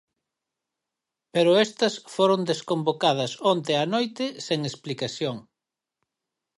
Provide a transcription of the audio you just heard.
Pero estas foron desconvocadas onte á noite sen explicación.